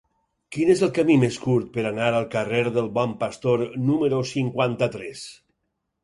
Quin és el camí més curt per anar al carrer del Bon Pastor número cinquanta-tres?